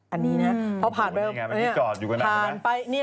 อันนี้นะเพราะผ่านไปนี่ผ่านไปเนี่ย